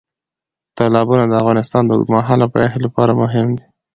تالابونه د افغانستان د اوږدمهاله پایښت لپاره مهم دي.